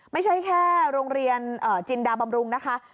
ไม่ใช่แค่โรงเรียนจินดาบำรุงนะคะ